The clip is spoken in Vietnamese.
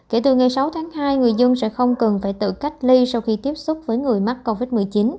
kể từ ngày sáu tháng hai người dân sẽ không cần phải tự cách ly sau khi tiếp xúc với người mắc covid một mươi chín